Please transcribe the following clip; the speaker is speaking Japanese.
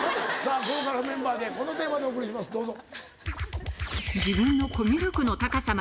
豪華なメンバーでこのテーマでお送りしますどうぞ。